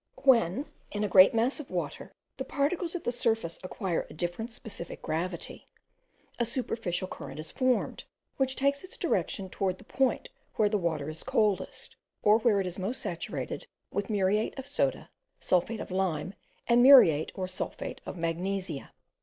When, in a great mass of water, the particles at the surface acquire a different specific gravity, a superficial current is formed, which takes its direction towards the point where the water is coldest, or where it is most saturated with muriate of soda, sulphate of lime, and muriate or sulphate of magnesia.